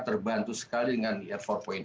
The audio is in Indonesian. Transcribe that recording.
terbantu sekali dengan empat